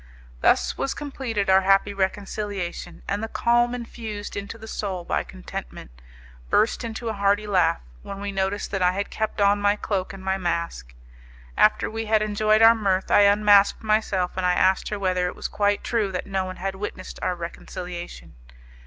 Thus was completed our happy reconciliation, and the calm infused into the soul by contentment, burst into a hearty laugh when we noticed that I had kept on my cloak and my mask. After we had enjoyed our mirth, I unmasked myself, and I asked her whether it was quite true that no one had witnessed our reconciliation.